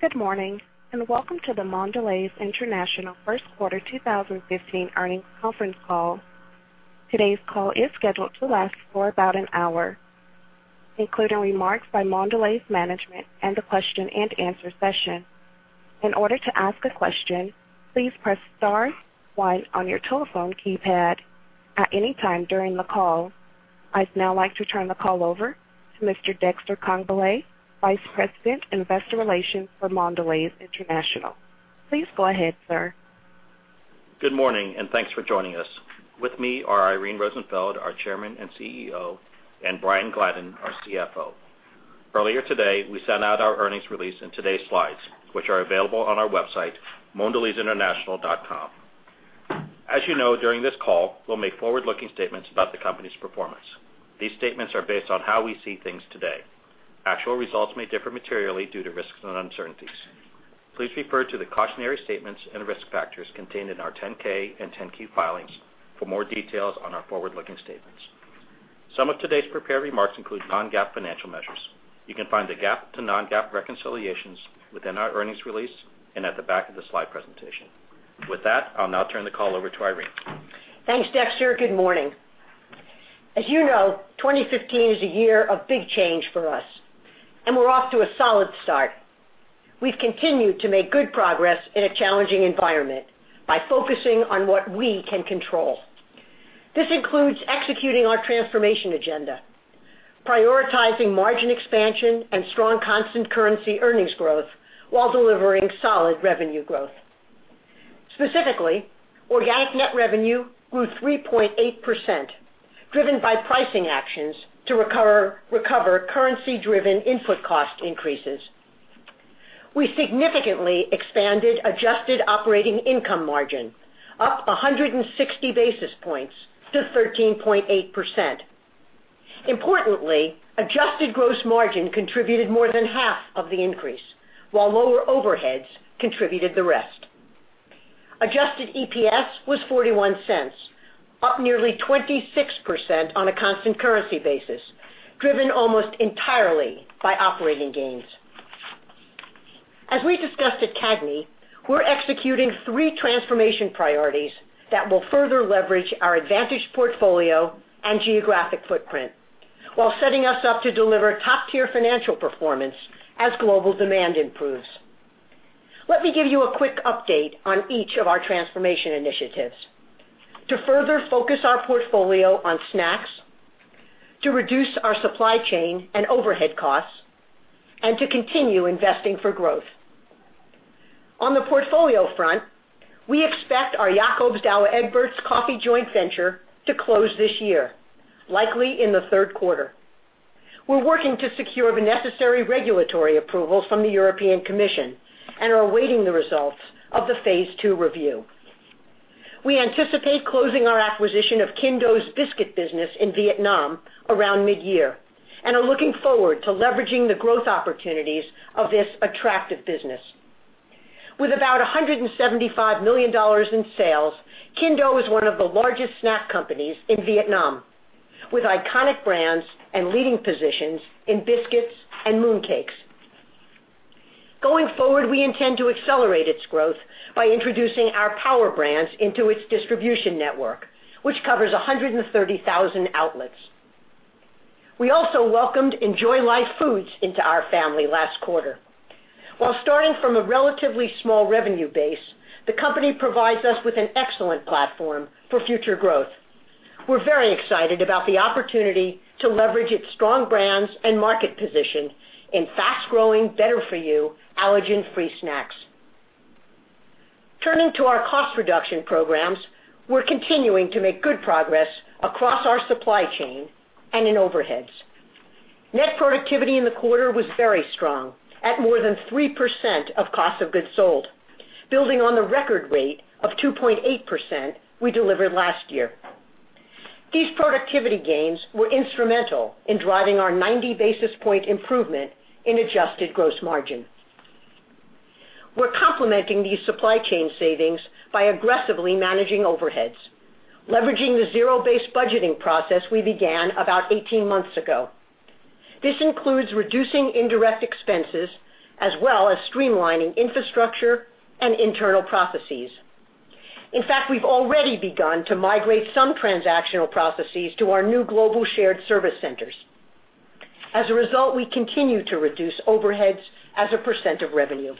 Good morning, and welcome to the Mondelez International First Quarter 2015 Earnings Conference Call. Today's call is scheduled to last for about an hour, including remarks by Mondelez management and a question and answer session. In order to ask a question, please press star one on your telephone keypad at any time during the call. I'd now like to turn the call over to Mr. Dexter Congbalay, Vice President, Investor Relations for Mondelez International. Please go ahead, sir. Good morning. Thanks for joining us. With me are Irene Rosenfeld, our Chairman and CEO, and Brian Gladden, our CFO. Earlier today, we sent out our earnings release in today's slides, which are available on our website, mondelezinternational.com. As you know, during this call, we'll make forward-looking statements about the company's performance. These statements are based on how we see things today. Actual results may differ materially due to risks and uncertainties. Please refer to the cautionary statements and risk factors contained in our 10K and 10Q filings for more details on our forward-looking statements. Some of today's prepared remarks include non-GAAP financial measures. You can find the GAAP to non-GAAP reconciliations within our earnings release and at the back of the slide presentation. With that, I'll now turn the call over to Irene. Thanks, Dexter. Good morning. As you know, 2015 is a year of big change for us, and we're off to a solid start. We've continued to make good progress in a challenging environment by focusing on what we can control. This includes executing our transformation agenda, prioritizing margin expansion, and strong constant currency earnings growth while delivering solid revenue growth. Specifically, organic net revenue grew 3.8%, driven by pricing actions to recover currency-driven input cost increases. We significantly expanded adjusted operating income margin, up 160 basis points to 13.8%. Importantly, adjusted gross margin contributed more than half of the increase, while lower overheads contributed the rest. Adjusted EPS was $0.41, up nearly 26% on a constant currency basis, driven almost entirely by operating gains. As we discussed at CAGNY, we're executing three transformation priorities that will further leverage our advantage, portfolio, and geographic footprint while setting us up to deliver top-tier financial performance as global demand improves. Let me give you a quick update on each of our transformation initiatives. To further focus our portfolio on snacks, to reduce our supply chain and overhead costs, and to continue investing for growth. On the portfolio front, we expect our Jacobs Douwe Egberts coffee joint venture to close this year, likely in the third quarter. We're working to secure the necessary regulatory approvals from the European Commission and are awaiting the results of the phase two review. We anticipate closing our acquisition of Kinh Do's biscuit business in Vietnam around mid-year and are looking forward to leveraging the growth opportunities of this attractive business. With about $175 million in sales, Kinh Do is one of the largest snack companies in Vietnam, with iconic brands and leading positions in biscuits and mooncakes. Going forward, we intend to accelerate its growth by introducing our power brands into its distribution network, which covers 130,000 outlets. We also welcomed Enjoy Life Foods into our family last quarter. While starting from a relatively small revenue base, the company provides us with an excellent platform for future growth. We're very excited about the opportunity to leverage its strong brands and market position in fast-growing, better for you, allergen-free snacks. Turning to our cost reduction programs, we're continuing to make good progress across our supply chain and in overheads. Net productivity in the quarter was very strong at more than 3% of cost of goods sold, building on the record rate of 2.8% we delivered last year. These productivity gains were instrumental in driving our 90 basis point improvement in adjusted gross margin. We're complementing these supply chain savings by aggressively managing overheads, leveraging the zero-based budgeting process we began about 18 months ago. This includes reducing indirect expenses as well as streamlining infrastructure and internal processes. In fact, we've already begun to migrate some transactional processes to our new global shared service centers. As a result, we continue to reduce overheads as a % of revenue.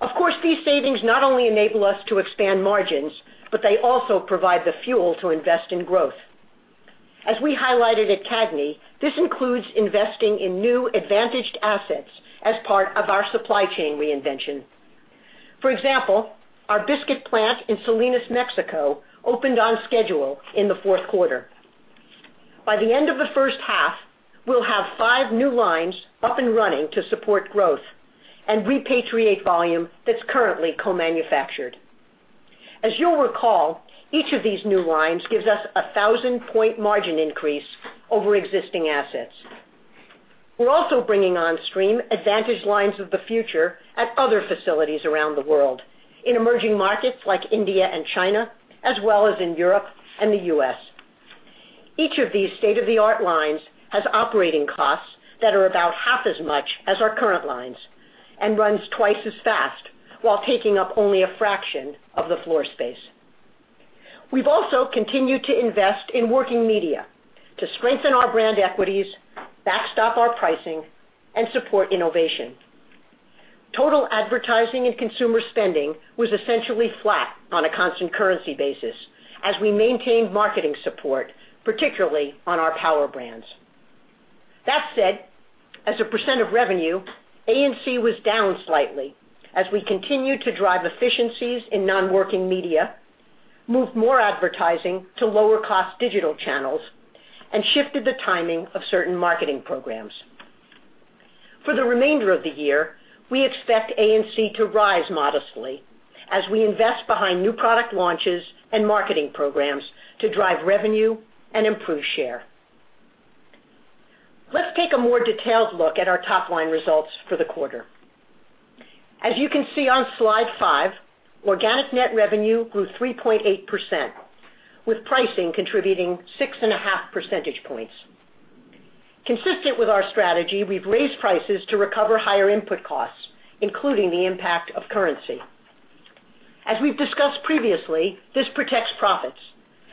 Of course, these savings not only enable us to expand margins, but they also provide the fuel to invest in growth. As we highlighted at CAGNY, this includes investing in new advantaged assets as part of our supply chain reinvention. For example, our biscuit plant in Salinas, Mexico, opened on schedule in the fourth quarter. By the end of the first half, we'll have five new lines up and running to support growth and repatriate volume that's currently co-manufactured. As you'll recall, each of these new lines gives us a thousand-point margin increase over existing assets. We're also bringing on stream advantage lines of the future at other facilities around the world in emerging markets like India and China, as well as in Europe and the U.S. Each of these state-of-the-art lines has operating costs that are about half as much as our current lines and runs twice as fast while taking up only a fraction of the floor space. We've also continued to invest in working media to strengthen our brand equities, backstop our pricing, and support innovation. Total advertising and consumer spending was essentially flat on a constant currency basis as we maintained marketing support, particularly on our power brands. That said, as a % of revenue, A&C was down slightly as we continued to drive efficiencies in non-working media, moved more advertising to lower cost digital channels, and shifted the timing of certain marketing programs. For the remainder of the year, we expect A&C to rise modestly as we invest behind new product launches and marketing programs to drive revenue and improve share. Let's take a more detailed look at our top-line results for the quarter. As you can see on slide five, organic net revenue grew 3.8%, with pricing contributing six and a half percentage points. Consistent with our strategy, we've raised prices to recover higher input costs, including the impact of currency. As we've discussed previously, this protects profits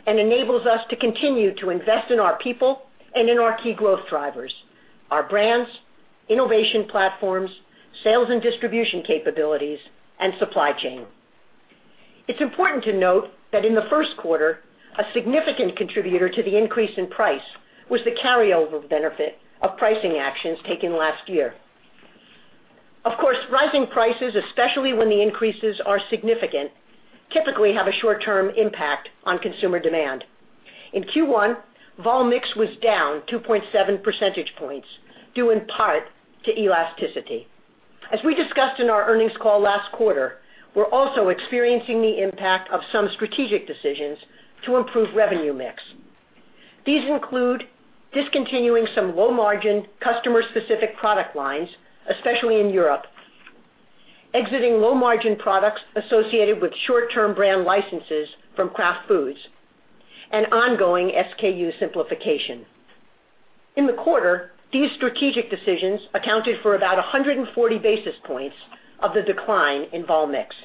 and enables us to continue to invest in our people and in our key growth drivers, our brands, innovation platforms, sales and distribution capabilities, and supply chain. It's important to note that in the first quarter, a significant contributor to the increase in price was the carryover benefit of pricing actions taken last year. Of course, rising prices, especially when the increases are significant, typically have a short-term impact on consumer demand. In Q1, vol mix was down 2.7 percentage points, due in part to elasticity. As we discussed in our earnings call last quarter, we're also experiencing the impact of some strategic decisions to improve revenue mix. These include discontinuing some low-margin customer-specific product lines, especially in Europe, exiting low-margin products associated with short-term brand licenses from Kraft Foods, and ongoing SKU simplification. In the quarter, these strategic decisions accounted for about 140 basis points of the decline in vol mix.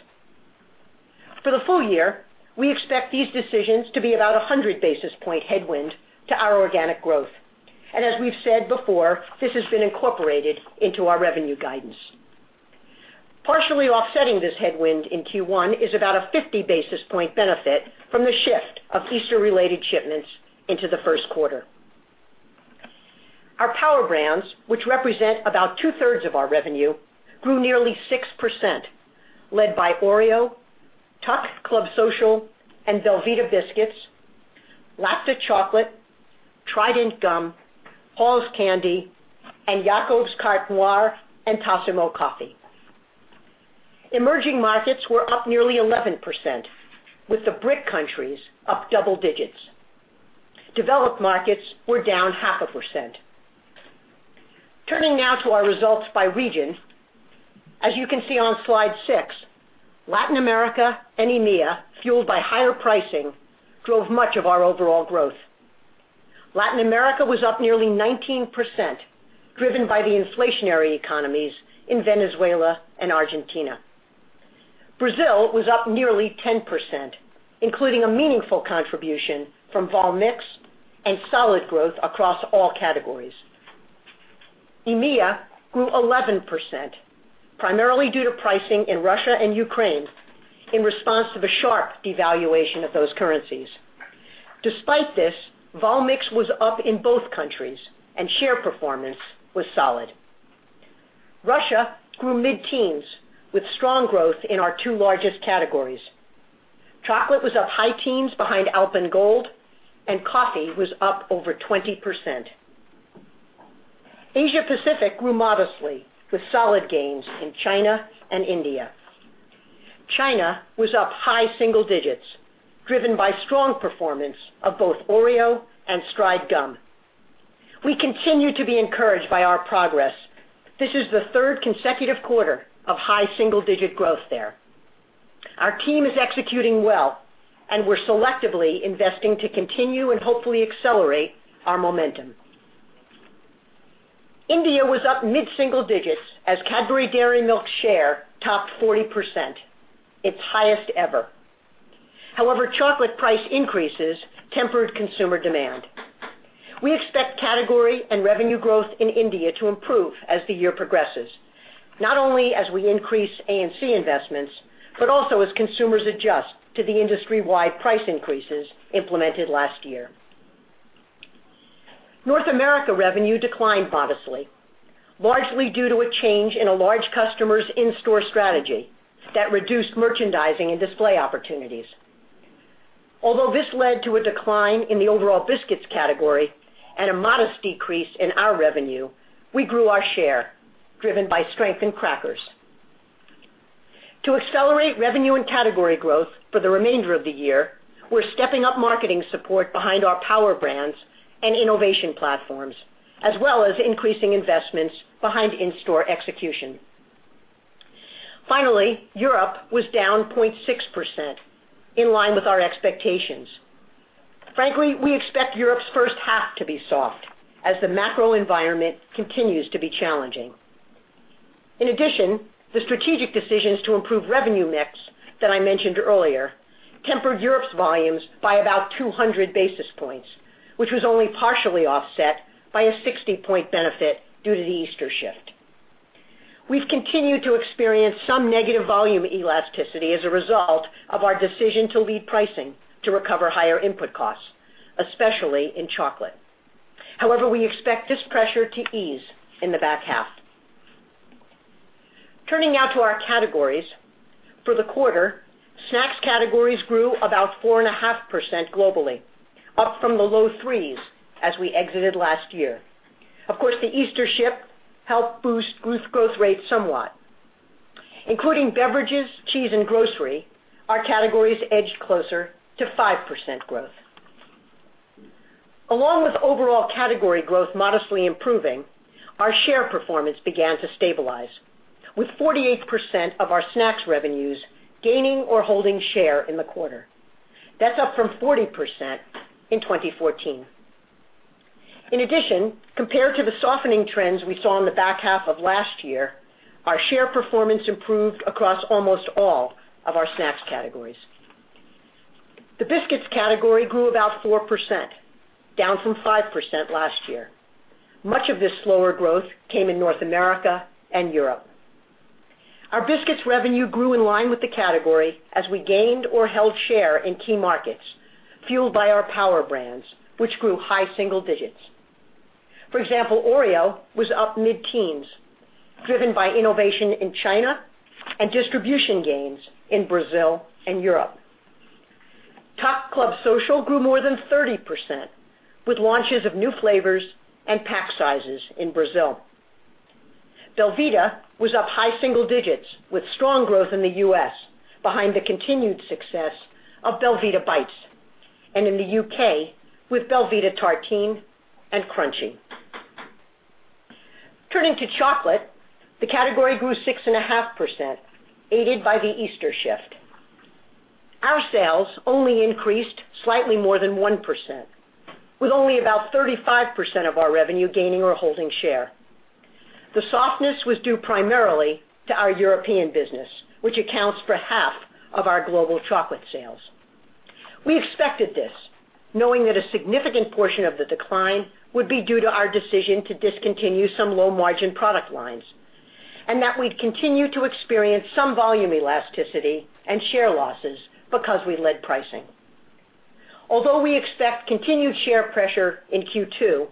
For the full year, we expect these decisions to be about 100 basis point headwind to our organic growth. As we've said before, this has been incorporated into our revenue guidance. Partially offsetting this headwind in Q1 is about a 50 basis point benefit from the shift of Easter-related shipments into the first quarter. Our power brands, which represent about two-thirds of our revenue, grew nearly 6%, led by Oreo, Club Social, belVita Biscuits, Lacta Chocolate, Trident Gum, Halls Candy, and Jacobs Carte Noire and Tassimo Coffee. Emerging markets were up nearly 11%, with the BRIC countries up double digits. Developed markets were down half a percent. Turning now to our results by region, as you can see on slide six, Latin America and EMEA, fueled by higher pricing, drove much of our overall growth. Latin America was up nearly 19%, driven by the inflationary economies in Venezuela and Argentina. Brazil was up nearly 10%, including a meaningful contribution from vol mix and solid growth across all categories. EMEA grew 11%, primarily due to pricing in Russia and Ukraine in response to the sharp devaluation of those currencies. Despite this, vol mix was up in both countries and share performance was solid. Russia grew mid-teens with strong growth in our two largest categories. Chocolate was up high teens behind Alpen Gold, and coffee was up over 20%. Asia-Pacific grew modestly with solid gains in China and India. China was up high single digits, driven by strong performance of both Oreo and Stride Gum. We continue to be encouraged by our progress. This is the third consecutive quarter of high single-digit growth there. Our team is executing well, and we're selectively investing to continue and hopefully accelerate our momentum. India was up mid-single digits as Cadbury Dairy Milk share topped 40%, its highest ever. However, chocolate price increases tempered consumer demand. We expect category and revenue growth in India to improve as the year progresses, not only as we increase A&C investments, but also as consumers adjust to the industry-wide price increases implemented last year. North America revenue declined modestly, largely due to a change in a large customer's in-store strategy that reduced merchandising and display opportunities. Although this led to a decline in the overall biscuits category and a modest decrease in our revenue, we grew our share, driven by strength in crackers. To accelerate revenue and category growth for the remainder of the year, we're stepping up marketing support behind our power brands and innovation platforms, as well as increasing investments behind in-store execution. Finally, Europe was down 0.6%, in line with our expectations. Frankly, we expect Europe's first half to be soft as the macro environment continues to be challenging. In addition, the strategic decisions to improve revenue mix that I mentioned earlier tempered Europe's volumes by about 200 basis points, which was only partially offset by a 60-point benefit due to the Easter shift. We've continued to experience some negative volume elasticity as a result of our decision to lead pricing to recover higher input costs, especially in chocolate. However, we expect this pressure to ease in the back half. Turning now to our categories. For the quarter, snacks categories grew about 4.5% globally, up from the low threes as we exited last year. Of course, the Easter shift helped boost growth rates somewhat. Including beverages, cheese, and grocery, our categories edged closer to 5% growth. Along with overall category growth modestly improving, our share performance began to stabilize, with 48% of our snacks revenues gaining or holding share in the quarter. That's up from 40% in 2014. In addition, compared to the softening trends we saw in the back half of last year, our share performance improved across almost all of our snacks categories. The biscuits category grew about 4%, down from 5% last year. Much of this slower growth came in North America and Europe. Our biscuits revenue grew in line with the category as we gained or held share in key markets, fueled by our power brands, which grew high single digits. For example, Oreo was up mid-teens, driven by innovation in China and distribution gains in Brazil and Europe. Club Social grew more than 30%, with launches of new flavors and pack sizes in Brazil. belVita was up high single digits, with strong growth in the U.S. behind the continued success of belVita Bites, and in the U.K., with belVita Tartine and Crunchy. Turning to chocolate, the category grew 6.5%, aided by the Easter shift. Our sales only increased slightly more than 1%, with only about 35% of our revenue gaining or holding share. The softness was due primarily to our European business, which accounts for half of our global chocolate sales. We expected this, knowing that a significant portion of the decline would be due to our decision to discontinue some low-margin product lines, and that we'd continue to experience some volume elasticity and share losses because we led pricing. Although we expect continued share pressure in Q2,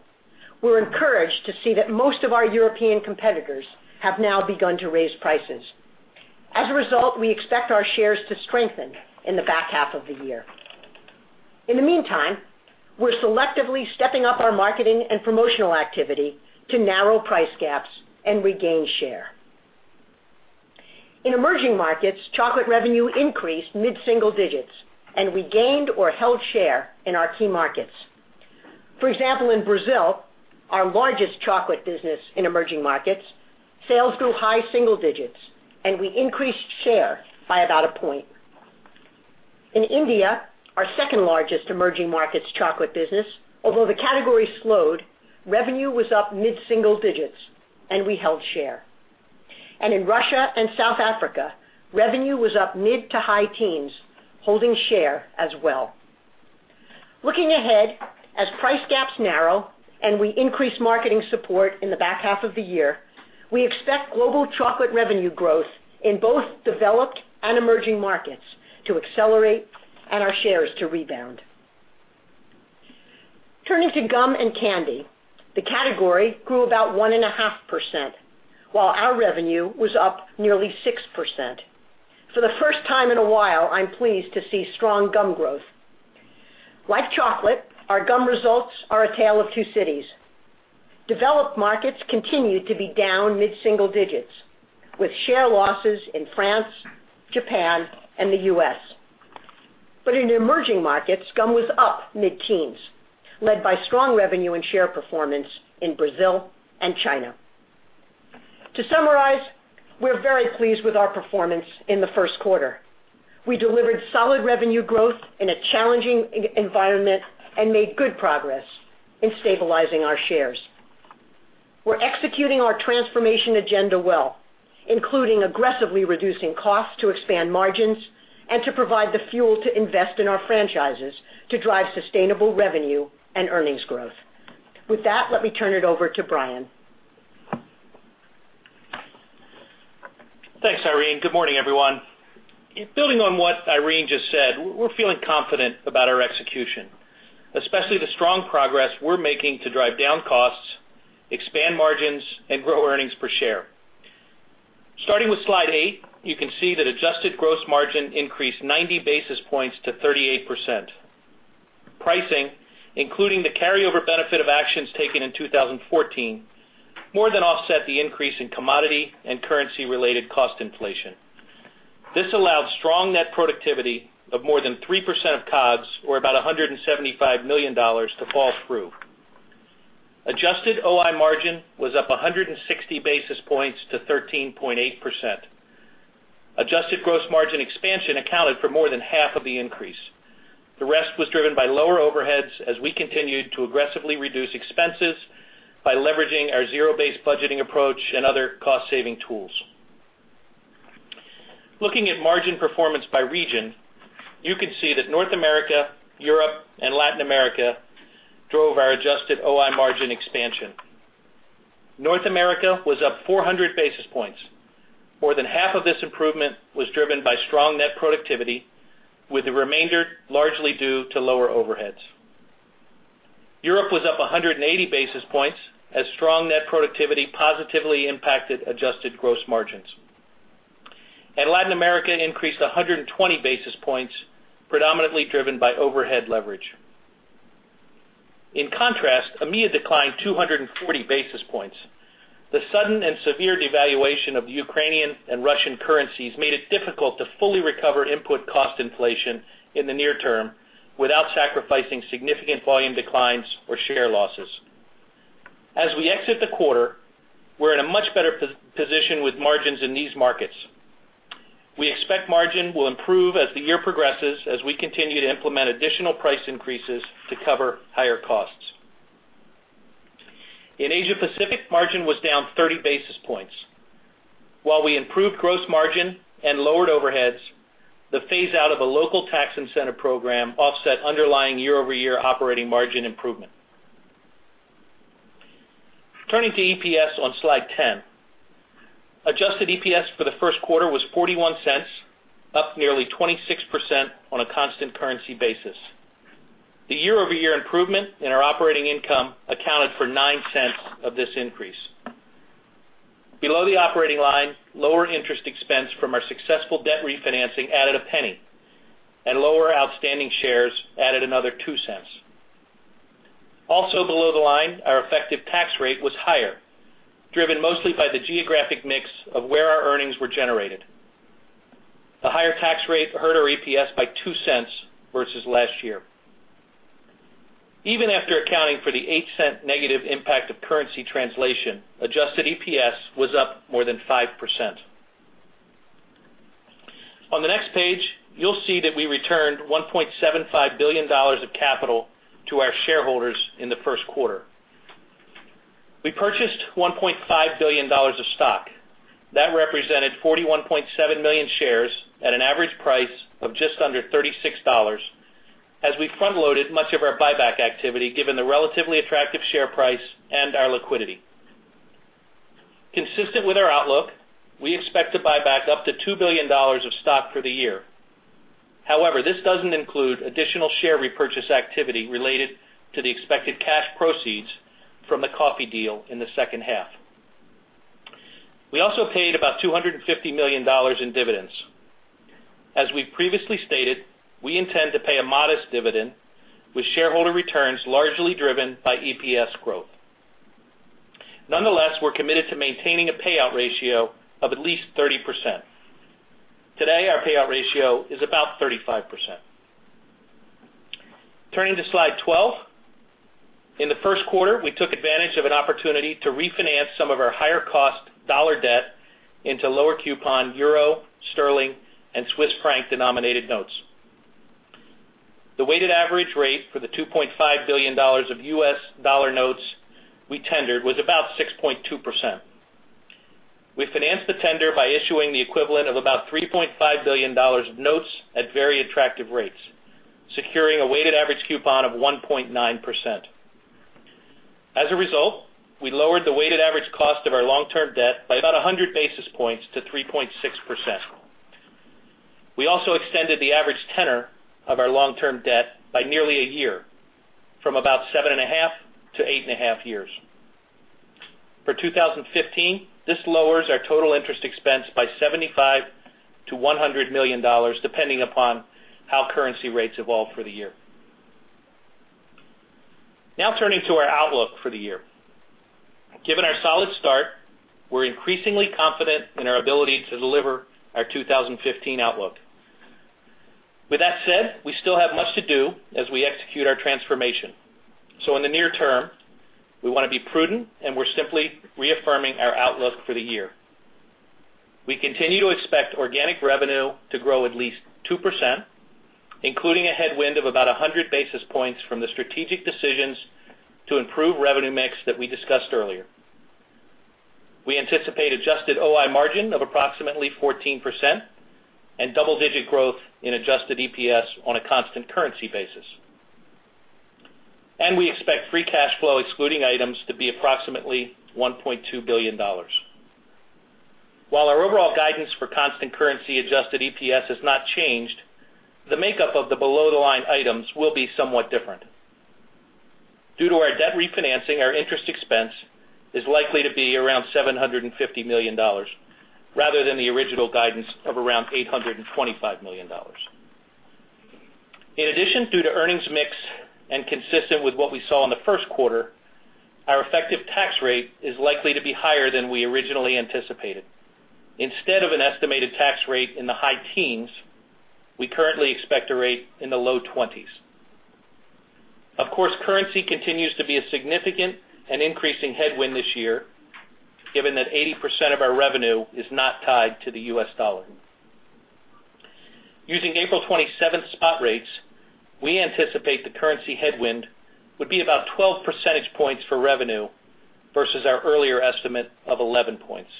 we're encouraged to see that most of our European competitors have now begun to raise prices. As a result, we expect our shares to strengthen in the back half of the year. In the meantime, we're selectively stepping up our marketing and promotional activity to narrow price gaps and regain share. In emerging markets, chocolate revenue increased mid-single digits, and we gained or held share in our key markets. For example, in Brazil, our largest chocolate business in emerging markets, sales grew high single digits, and we increased share by about a point. In India, our second largest emerging markets chocolate business, although the category slowed, revenue was up mid-single digits, and we held share. In Russia and South Africa, revenue was up mid to high teens, holding share as well. Looking ahead, as price gaps narrow and we increase marketing support in the back half of the year, we expect global chocolate revenue growth in both developed and emerging markets to accelerate and our shares to rebound. Turning to gum and candy, the category grew about 1.5%, while our revenue was up nearly 6%. For the first time in a while, I'm pleased to see strong gum growth. Like chocolate, our gum results are a tale of two cities. Developed markets continued to be down mid-single digits, with share losses in France, Japan, and the U.S. In emerging markets, gum was up mid-teens, led by strong revenue and share performance in Brazil and China. To summarize, we're very pleased with our performance in the first quarter. We delivered solid revenue growth in a challenging environment and made good progress in stabilizing our shares. We're executing our Transformation Agenda well, including aggressively reducing costs to expand margins and to provide the fuel to invest in our franchises to drive sustainable revenue and earnings growth. With that, let me turn it over to Brian. Thanks, Irene. Good morning, everyone. Building on what Irene just said, we're feeling confident about our execution, especially the strong progress we're making to drive down costs, expand margins, and grow earnings per share. Starting with slide eight, you can see that adjusted gross margin increased 90 basis points to 38%. Pricing, including the carryover benefit of actions taken in 2014, more than offset the increase in commodity and currency-related cost inflation. This allowed strong net productivity of more than 3% of COGS, or about $175 million, to fall through. Adjusted OI margin was up 160 basis points to 13.8%. Adjusted gross margin expansion accounted for more than half of the increase. The rest was driven by lower overheads as we continued to aggressively reduce expenses by leveraging our zero-based budgeting approach and other cost-saving tools. Looking at margin performance by region, you can see that North America, Europe, and Latin America drove our adjusted OI margin expansion. North America was up 400 basis points. More than half of this improvement was driven by strong net productivity, with the remainder largely due to lower overheads. Europe was up 180 basis points as strong net productivity positively impacted adjusted gross margins. Latin America increased 120 basis points, predominantly driven by overhead leverage. In contrast, AMEA declined 240 basis points. The sudden and severe devaluation of Ukrainian and Russian currencies made it difficult to fully recover input cost inflation in the near term without sacrificing significant volume declines or share losses. As we exit the quarter, we're in a much better position with margins in these markets. We expect margin will improve as the year progresses as we continue to implement additional price increases to cover higher costs. In Asia-Pacific, margin was down 30 basis points. While we improved gross margin and lowered overheads, the phase-out of a local tax incentive program offset underlying year-over-year operating margin improvement. Turning to EPS on slide 10. Adjusted EPS for the first quarter was $0.41, up nearly 26% on a constant currency basis. The year-over-year improvement in our operating income accounted for $0.09 of this increase. Below the operating line, lower interest expense from our successful debt refinancing added $0.01, and lower outstanding shares added another $0.02. Also below the line, our effective tax rate was higher, driven mostly by the geographic mix of where our earnings were generated. The higher tax rate hurt our EPS by $0.02 versus last year. Even after accounting for the $0.08 negative impact of currency translation, adjusted EPS was up more than 5%. On the next page, you'll see that we returned $1.75 billion of capital to our shareholders in the first quarter. We purchased $1.5 billion of stock. That represented 41.7 million shares at an average price of just under $36 as we front-loaded much of our buyback activity, given the relatively attractive share price and our liquidity. Consistent with our outlook, we expect to buy back up to $2 billion of stock for the year. However, this doesn't include additional share repurchase activity related to the expected cash proceeds from the coffee deal in the second half. We also paid about $250 million in dividends. As we previously stated, we intend to pay a modest dividend, with shareholder returns largely driven by EPS growth. Nonetheless, we're committed to maintaining a payout ratio of at least 30%. Today, our payout ratio is about 35%. Turning to slide 12. In the first quarter, we took advantage of an opportunity to refinance some of our higher-cost dollar debt into lower-coupon EUR, GBP, and CHF-denominated notes. The weighted average rate for the $2.5 billion of U.S. dollar notes we tendered was about 6.2%. We financed the tender by issuing the equivalent of about $3.5 billion of notes at very attractive rates, securing a weighted average coupon of 1.9%. As a result, we lowered the weighted average cost of our long-term debt by about 100 basis points to 3.6%. We also extended the average tenor of our long-term debt by nearly a year, from about seven and a half to eight and a half years. For 2015, this lowers our total interest expense by $75 million-$100 million, depending upon how currency rates evolve for the year. Turning to our outlook for the year. Given our solid start, we're increasingly confident in our ability to deliver our 2015 outlook. With that said, we still have much to do as we execute our transformation. So in the near term, we want to be prudent, and we're simply reaffirming our outlook for the year. We continue to expect organic revenue to grow at least 2%, including a headwind of about 100 basis points from the strategic decisions to improve revenue mix that we discussed earlier. We anticipate adjusted OI margin of approximately 14% and double-digit growth in adjusted EPS on a constant currency basis. And we expect free cash flow excluding items to be approximately $1.2 billion. While our overall guidance for constant currency adjusted EPS has not changed, the makeup of the below-the-line items will be somewhat different. Due to our debt refinancing, our interest expense is likely to be around $750 million, rather than the original guidance of around $825 million. In addition, due to earnings mix and consistent with what we saw in the first quarter, our effective tax rate is likely to be higher than we originally anticipated. Instead of an estimated tax rate in the high teens, we currently expect a rate in the low 20s. Of course, currency continues to be a significant and increasing headwind this year, given that 80% of our revenue is not tied to the U.S. dollar. Using April 27th spot rates, we anticipate the currency headwind would be about 12 percentage points for revenue versus our earlier estimate of 11 points.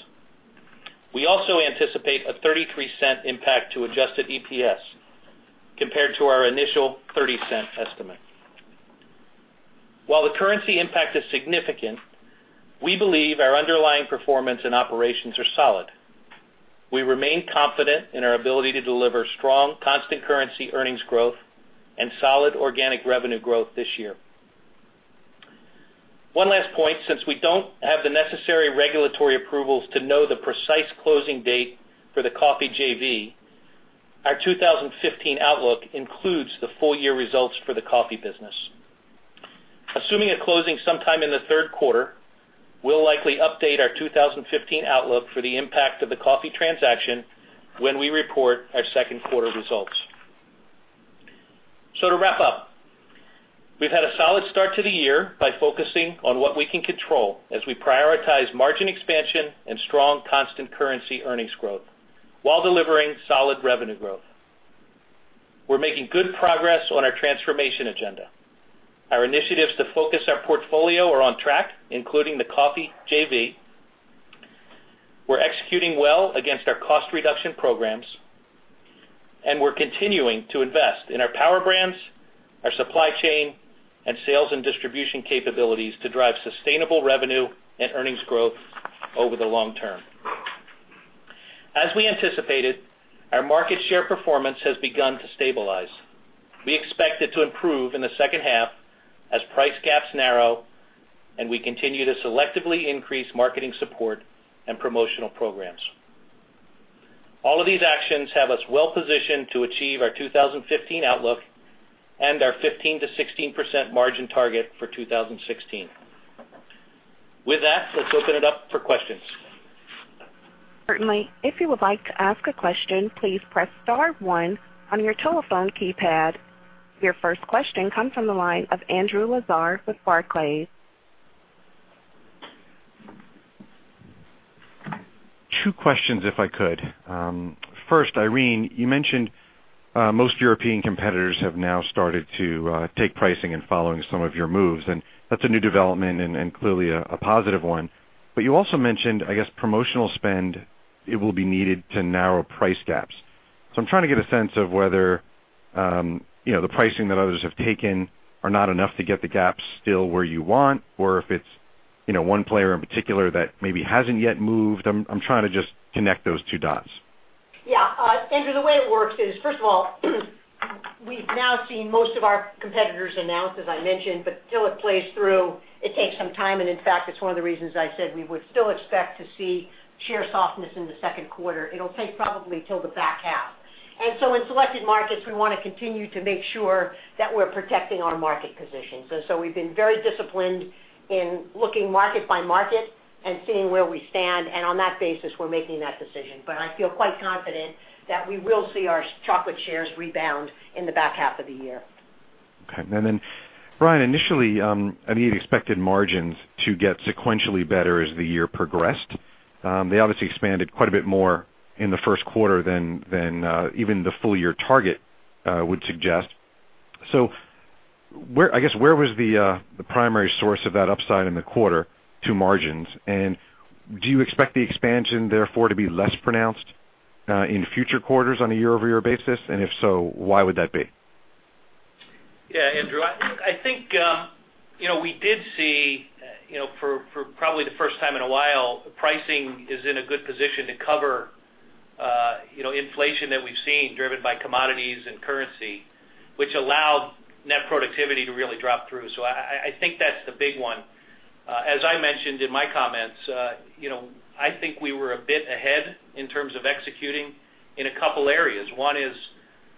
We also anticipate a $0.33 impact to adjusted EPS compared to our initial $0.30 estimate. While the currency impact is significant, we believe our underlying performance and operations are solid. We remain confident in our ability to deliver strong constant currency earnings growth and solid organic revenue growth this year. One last point. Since we don't have the necessary regulatory approvals to know the precise closing date for the coffee JV, our 2015 outlook includes the full-year results for the coffee business. Assuming a closing sometime in the third quarter, we'll likely update our 2015 outlook for the impact of the coffee transaction when we report our second quarter results. To wrap up, we've had a solid start to the year by focusing on what we can control as we prioritize margin expansion and strong constant currency earnings growth while delivering solid revenue growth. We're making good progress on our transformation agenda. Our initiatives to focus our portfolio are on track, including the coffee JV. We're executing well against our cost reduction programs, and we're continuing to invest in our power brands, our supply chain, and sales and distribution capabilities to drive sustainable revenue and earnings growth over the long term. As we anticipated, our market share performance has begun to stabilize. We expect it to improve in the second half as price gaps narrow and we continue to selectively increase marketing support and promotional programs. All of these actions have us well positioned to achieve our 2015 outlook and our 15%-16% margin target for 2016. With that, let's open it up for questions. Certainly. If you would like to ask a question, please press *1 on your telephone keypad. Your first question comes from the line of Andrew Lazar with Barclays. Two questions, if I could. First, Irene, you mentioned most European competitors have now started to take pricing and following some of your moves. That's a new development and clearly a positive one. You also mentioned, I guess, promotional spend, it will be needed to narrow price gaps. I'm trying to get a sense of whether the pricing that others have taken are not enough to get the gaps still where you want, or if it's one player in particular that maybe hasn't yet moved. I'm trying to just connect those two dots. Yeah. Andrew, the way it works is, first of all, we've now seen most of our competitors announce, as I mentioned. Until it plays through, it takes some time. In fact, it's one of the reasons I said we would still expect to see share softness in the second quarter. It'll take probably till the back half. In selected markets, we want to continue to make sure that we're protecting our market positions. We've been very disciplined in looking market by market and seeing where we stand. On that basis, we're making that decision. I feel quite confident that we will see our chocolate shares rebound in the back half of the year. Okay. Brian, initially, you expected margins to get sequentially better as the year progressed. They obviously expanded quite a bit more in the first quarter than even the full-year target would suggest. I guess where was the primary source of that upside in the quarter to margins? Do you expect the expansion therefore to be less pronounced in future quarters on a year-over-year basis? If so, why would that be? Yeah, Andrew. Look, I think we did see for probably the first time in a while, pricing is in a good position to cover inflation that we've seen driven by commodities and currency, which allowed net productivity to really drop through. I think that's the big one. As I mentioned in my comments, I think we were a bit ahead in terms of executing in a couple areas. One is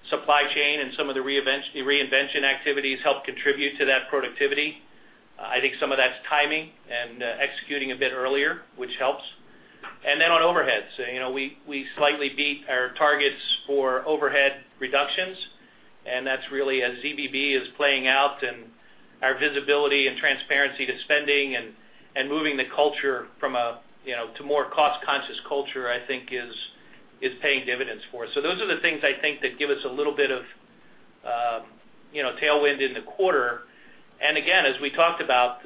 supply chain and some of the reinvention activities helped contribute to that productivity. I think some of that's timing and executing a bit earlier, which helps. On overheads, we slightly beat our targets for overhead reductions, and that's really as ZBB is playing out and our visibility and transparency to spending and moving the culture to more cost-conscious culture, I think is paying dividends for us. Those are the things I think that give us a little bit of tailwind in the quarter. Again, as we talked about,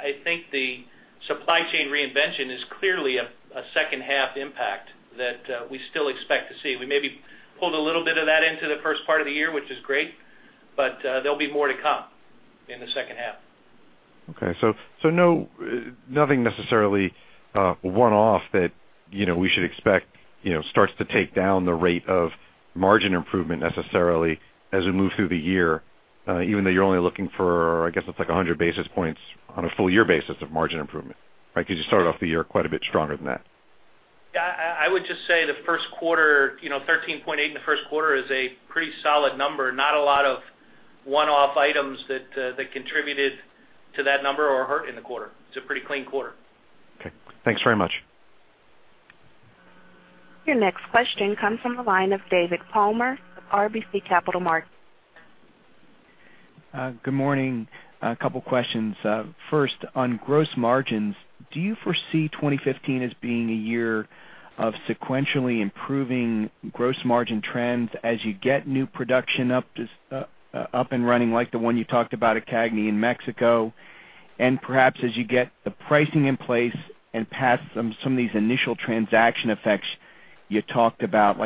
I think the supply chain reinvention is clearly a second half impact that we still expect to see. We maybe pulled a little bit of that into the first part of the year, which is great, there'll be more to come in the second half. Okay. Nothing necessarily one-off that we should expect starts to take down the rate of margin improvement necessarily as we move through the year, even though you're only looking for, I guess it's like 100 basis points on a full year basis of margin improvement, right? You started off the year quite a bit stronger than that. Yeah. I would just say the first quarter, 13.8% in the first quarter is a pretty solid number. Not a lot of one-off items that contributed to that number or hurt in the quarter. It's a pretty clean quarter. Okay. Thanks very much. Your next question comes from the line of David Palmer, RBC Capital Markets. Good morning. A couple questions. First, on gross margins, do you foresee 2015 as being a year of sequentially improving gross margin trends as you get new production up and running, like the one you talked about at CAGNY in Mexico, and perhaps as you get the pricing in place and past some of these initial transaction effects you talked about,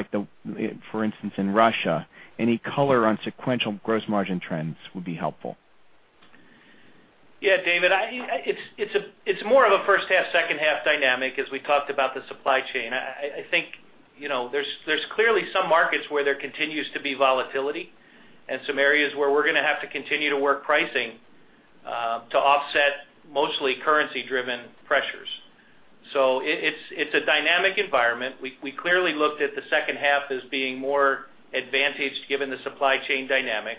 for instance, in Russia? Any color on sequential gross margin trends would be helpful. Yeah, David, it's more of a first half, second half dynamic as we talked about the supply chain. I think there's clearly some markets where there continues to be volatility and some areas where we're going to have to continue to work pricing to offset mostly currency driven pressures. It's a dynamic environment. We clearly looked at the second half as being more advantaged given the supply chain dynamic.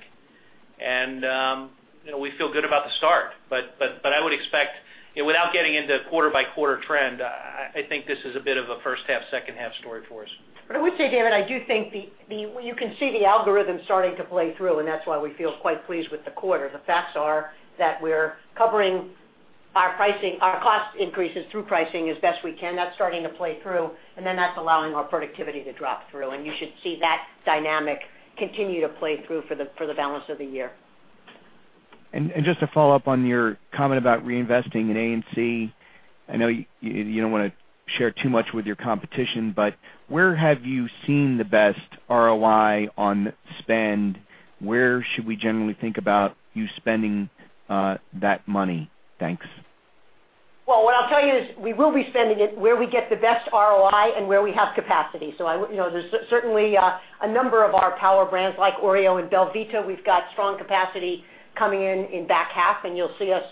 We feel good about the start, but I would expect, without getting into quarter by quarter trend, I think this is a bit of a first half, second half story for us. I would say, David, I do think you can see the algorithm starting to play through, that's why we feel quite pleased with the quarter. The facts are that we're covering our cost increases through pricing as best we can. That's starting to play through, that's allowing our productivity to drop through, and you should see that dynamic continue to play through for the balance of the year. Just to follow up on your comment about reinvesting in A&C, I know you don't want to share too much with your competition, but where have you seen the best ROI on spend? Where should we generally think about you spending that money? Thanks. Well, what I'll tell you is we will be spending it where we get the best ROI and where we have capacity. There's certainly a number of our power brands like Oreo and belVita, we've got strong capacity coming in in back half, and you'll see us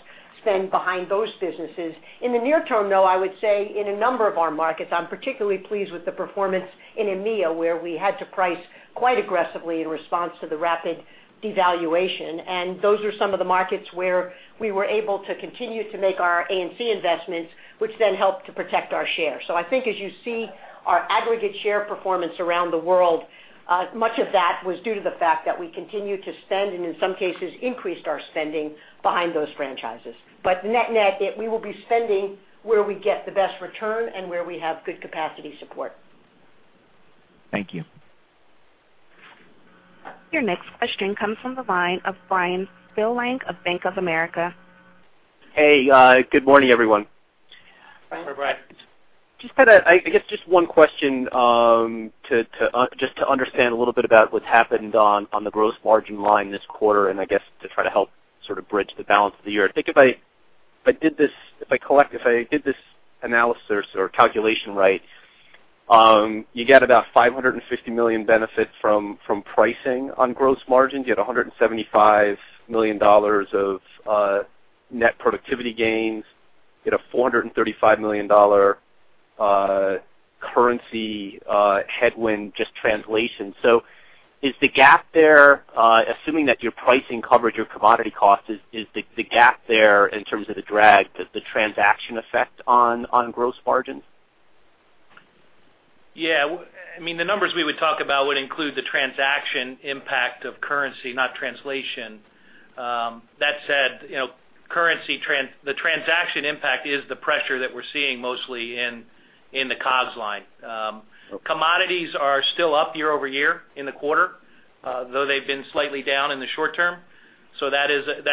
spend behind those businesses. In the near term, though, I would say in a number of our markets, I'm particularly pleased with the performance in EMEA, where we had to price quite aggressively in response to the rapid devaluation. Those are some of the markets where we were able to continue to make our A&C investments, which then helped to protect our share. I think as you see our aggregate share performance around the world, much of that was due to the fact that we continued to spend and in some cases increased our spending behind those franchises. Net-net, we will be spending where we get the best return and where we have good capacity support. Thank you. Your next question comes from the line of Bryan Spillane of Bank of America. Hey, good morning, everyone. Hi, Bryan. I guess just one question, just to understand a little bit about what's happened on the gross margin line this quarter, and I guess to try to help sort of bridge the balance of the year. I think if I did this analysis or calculation right, you get about $550 million benefit from pricing on gross margin. You had $175 million of net productivity gains. You had a $435 million currency headwind, just translation. So is the gap there, assuming that your pricing covered your commodity cost, is the gap there in terms of the drag the transaction effect on gross margin? Yeah. The numbers we would talk about would include the transaction impact of currency, not translation. That said, the transaction impact is the pressure that we're seeing mostly in the COGS line. Okay. Commodities are still up year-over-year in the quarter, though they've been slightly down in the short term. That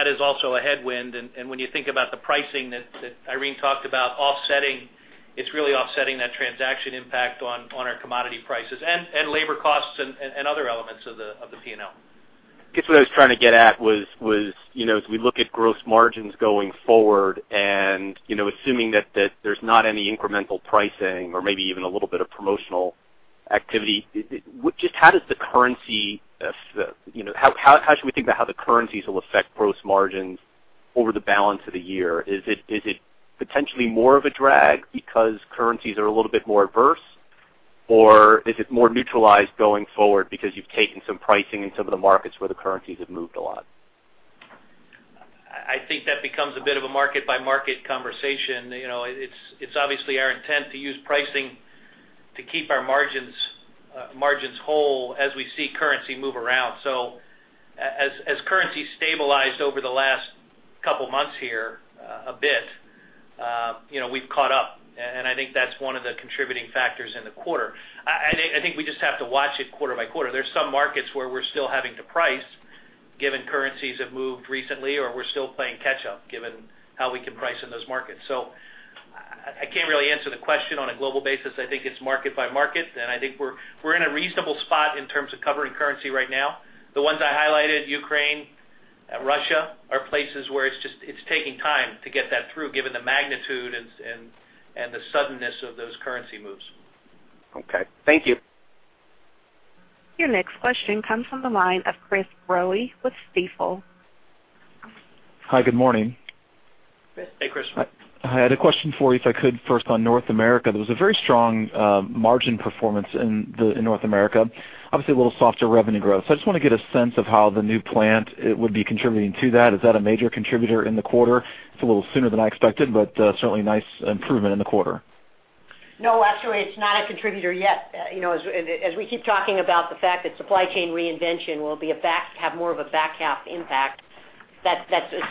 is also a headwind. When you think about the pricing that Irene talked about offsetting, it's really offsetting that transaction impact on our commodity prices and labor costs and other elements of the P&L. I guess what I was trying to get at was, as we look at gross margins going forward and assuming that there's not any incremental pricing or maybe even a little bit of promotional activity, how should we think about how the currencies will affect gross margins over the balance of the year? Is it potentially more of a drag because currencies are a little bit more adverse, or is it more neutralized going forward because you've taken some pricing in some of the markets where the currencies have moved a lot? I think that becomes a bit of a market by market conversation. It's obviously our intent to use pricing to keep our margins whole as we see currency move around. As currency stabilized over the last couple of months here a bit, we've caught up, and I think that's one of the contributing factors in the quarter. I think we just have to watch it quarter by quarter. There's some markets where we're still having to price, given currencies have moved recently, or we're still playing catch up given how we can price in those markets. I can't really answer the question on a global basis. I think it's market by market, and I think we're in a reasonable spot in terms of covering currency right now. The ones I highlighted, Ukraine and Russia, are places where it's taking time to get that through given the magnitude and the suddenness of those currency moves. Okay. Thank you. Your next question comes from the line of Chris Growe with Stifel. Hi, good morning. Chris. Hey, Chris. I had a question for you, if I could first on North America. There was a very strong margin performance in North America, obviously a little softer revenue growth. I just want to get a sense of how the new plant would be contributing to that. Is that a major contributor in the quarter? It's a little sooner than I expected, but certainly nice improvement in the quarter. No, actually, it's not a contributor yet. As we keep talking about the fact that supply chain reinvention will have more of a back half impact,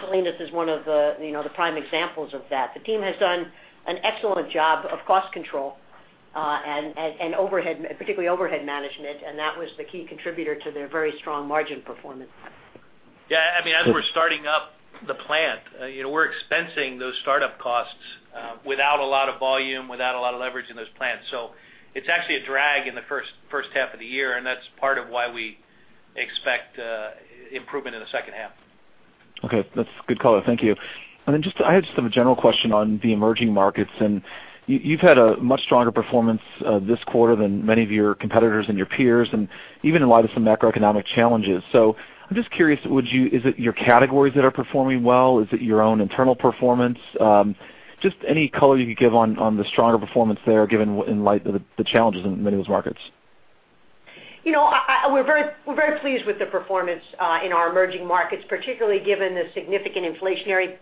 Salinas is one of the prime examples of that. The team has done an excellent job of cost control and particularly overhead management, that was the key contributor to their very strong margin performance. Yeah. As we're starting up the plant, we're expensing those startup costs without a lot of volume, without a lot of leverage in those plants. It's actually a drag in the first half of the year, that's part of why we expect improvement in the second half. Okay. That's a good call out. Thank you. I just have a general question on the emerging markets, you've had a much stronger performance this quarter than many of your competitors and your peers, even in light of some macroeconomic challenges. I'm just curious, is it your categories that are performing well? Is it your own internal performance? Just any color you could give on the stronger performance there, given in light of the challenges in many of those markets. We're very pleased with the performance in our emerging markets, particularly given the significant inflationary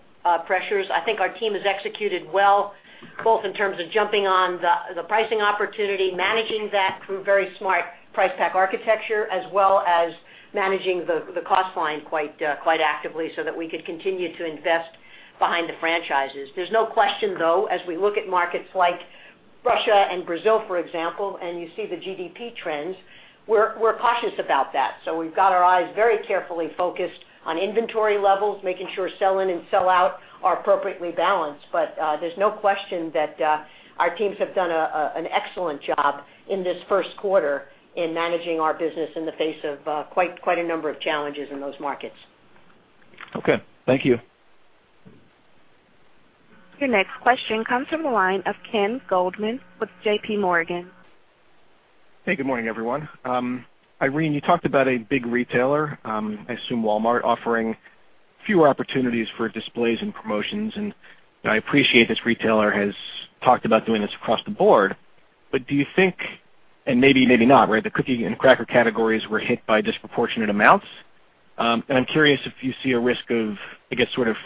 pressures. I think our team has executed well, both in terms of jumping on the pricing opportunity, managing that through very smart price pack architecture, as well as managing the cost line quite actively so that we could continue to invest behind the franchises. There's no question, though, as we look at markets like Russia and Brazil, for example, and you see the GDP trends, we're cautious about that. We've got our eyes very carefully focused on inventory levels, making sure sell-in and sell-out are appropriately balanced. There's no question that our teams have done an excellent job in this first quarter in managing our business in the face of quite a number of challenges in those markets. Okay. Thank you. Your next question comes from the line of Kenneth Goldman with J.P. Morgan. Good morning, everyone. Irene, you talked about a big retailer, I assume Walmart, offering fewer opportunities for displays and promotions, and I appreciate this retailer has talked about doing this across the board. Do you think, and maybe not, right, the cookie and cracker categories were hit by disproportionate amounts? I am curious if you see a risk of, I guess, sort of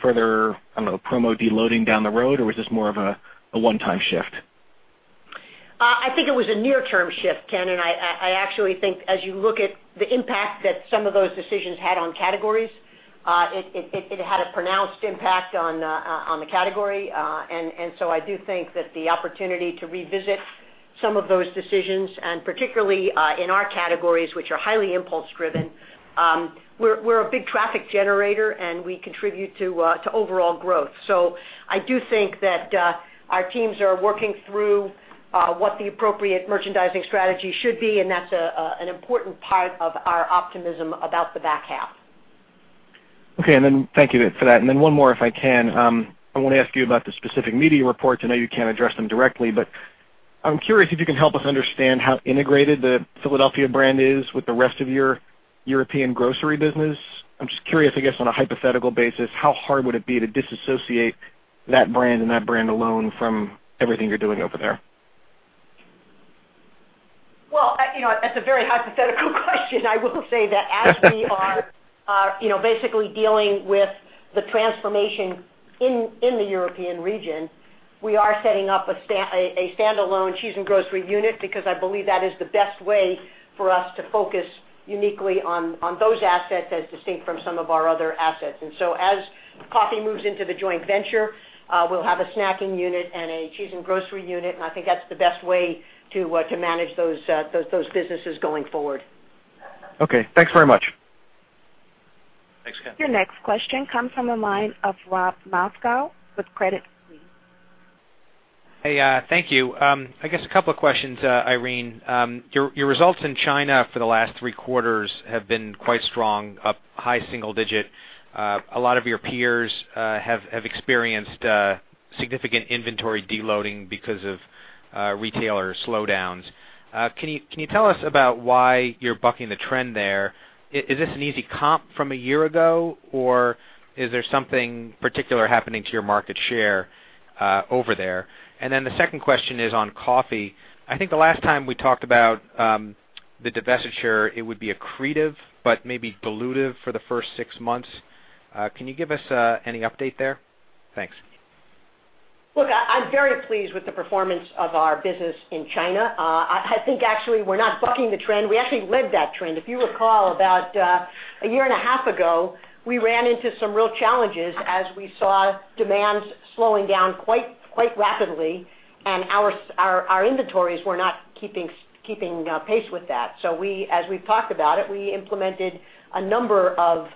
further promo deloading down the road, or was this more of a one-time shift? I think it was a near-term shift, Ken, I actually think as you look at the impact that some of those decisions had on categories it had a pronounced impact on the category. I do think that the opportunity to revisit some of those decisions, and particularly in our categories, which are highly impulse driven, we're a big traffic generator, and we contribute to overall growth. I do think that our teams are working through what the appropriate merchandising strategy should be, and that's an important part of our optimism about the back half. Okay. Thank you for that. One more, if I can. I want to ask you about the specific media reports. I know you can't address them directly, I am curious if you can help us understand how integrated the Philadelphia brand is with the rest of your European grocery business. I'm just curious, I guess, on a hypothetical basis, how hard would it be to disassociate that brand and that brand alone from everything you're doing over there? Well, that's a very hypothetical question. I will say that as we are basically dealing with the transformation in the European region, we are setting up a standalone cheese and grocery unit because I believe that is the best way for us to focus uniquely on those assets as distinct from some of our other assets. As coffee moves into the joint venture, we'll have a snacking unit and a cheese and grocery unit, and I think that's the best way to manage those businesses going forward. Okay. Thanks very much. Thanks, Ken. Your next question comes from the line of Robert Moskow with Credit Suisse. Hey, thank you. I guess a couple of questions, Irene. Your results in China for the last three quarters have been quite strong, up high single digit. A lot of your peers have experienced significant inventory deloading because of retailer slowdowns. Can you tell us about why you're bucking the trend there? Is this an easy comp from a year ago, or is there something particular happening to your market share over there? The second question is on coffee. I think the last time we talked about the divestiture, it would be accretive but maybe dilutive for the first six months. Can you give us any update there? Thanks. Look, I'm very pleased with the performance of our business in China. I think actually we're not bucking the trend. We actually led that trend. If you recall, about a year and a half ago, we ran into some real challenges as we saw demands slowing down quite rapidly, and our inventories were not keeping pace with that. As we've talked about it, we implemented a number of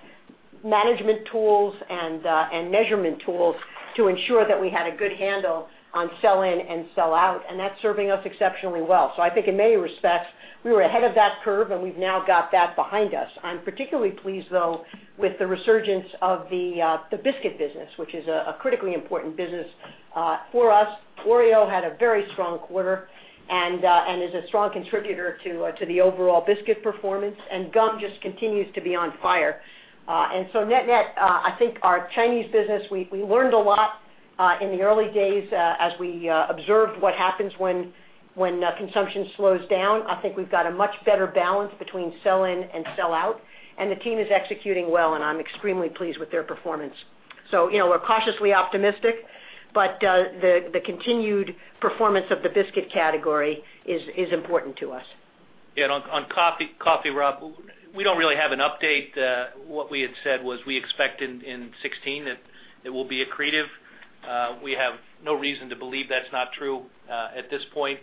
management tools and measurement tools to ensure that we had a good handle on sell-in and sell-out, and that's serving us exceptionally well. I think in many respects, we were ahead of that curve, and we've now got that behind us. I'm particularly pleased, though, with the resurgence of the biscuit business, which is a critically important business for us. Oreo had a very strong quarter and is a strong contributor to the overall biscuit performance, and gum just continues to be on fire. Net-net, I think our Chinese business, we learned a lot in the early days as we observed what happens when consumption slows down. I think we've got a much better balance between sell-in and sell-out, and the team is executing well, and I'm extremely pleased with their performance. We're cautiously optimistic, but the continued performance of the biscuit category is important to us. Yeah, on coffee, Rob, we don't really have an update. What we had said was we expect in 2016 that it will be accretive. We have no reason to believe that's not true at this point.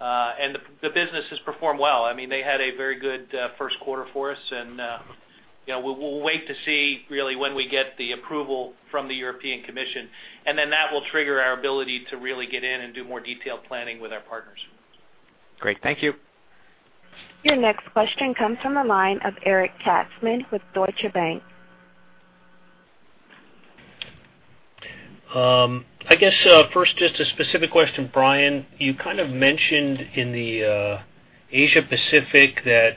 The business has performed well. They had a very good first quarter for us, and we'll wait to see really when we get the approval from the European Commission, and then that will trigger our ability to really get in and do more detailed planning with our partners. Great. Thank you. Your next question comes from the line of Eric Katzman with Deutsche Bank. I guess first, just a specific question, Brian. You kind of mentioned in the Asia Pacific that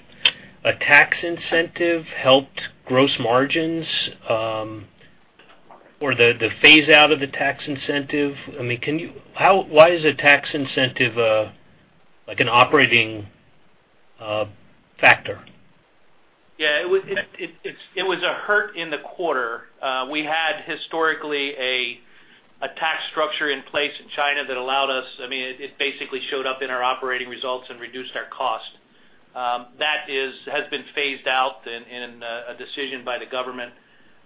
a tax incentive helped gross margins, or the phase out of the tax incentive. Why is a tax incentive an operating factor? Yeah. It was a hurt in the quarter. We had historically a tax structure in place in China that allowed us, it basically showed up in our operating results and reduced our cost. That has been phased out in a decision by the government.